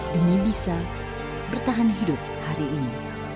demi bisa bertahan hidup hari ini